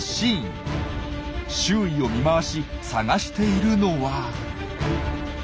周囲を見回し探しているのは。